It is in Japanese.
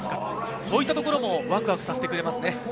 そういったところもワクワクさせてくれますね。